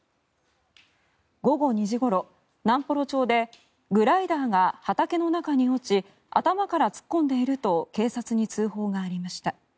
午後２時ごろ、南幌町でグライダーが畑の中に落ち頭から突っ込んでいると警察に通報がありました。